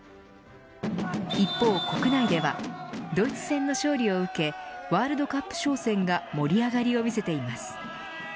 一方、国内ではドイツ戦の勝利を受けワールドカップ商戦が盛り上がりを見せています。